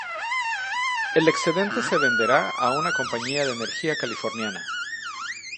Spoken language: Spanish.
El excedente se venderá a una compañía de energía californiana.